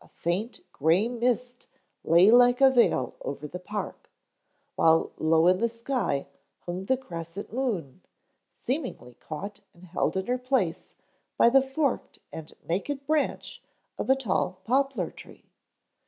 A faint, gray mist lay like a veil over the park, while low in the sky hung the crescent moon, seemingly caught and held in her place by the forked and naked branch of a tall poplar tree.